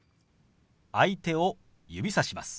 相手を指さします。